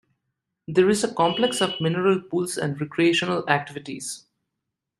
There is a complex of mineral pools and recreational activities.